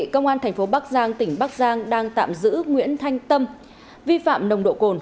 công an tp bắc giang tỉnh bắc giang đang tạm giữ nguyễn thanh tâm vi phạm nồng độ cồn